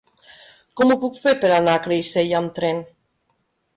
Com ho puc fer per anar a Creixell amb tren?